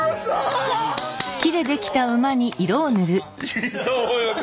「いいと思います」。